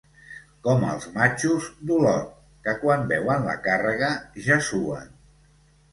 Com els matxos d'Olot, que quan veuen la càrrega ja suen.